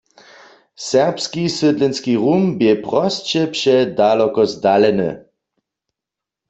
Serbski sydlenski rum bě prosće předaloko zdaleny.